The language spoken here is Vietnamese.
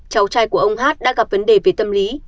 cháu trai của ông h h đã gặp vấn đề về tâm lý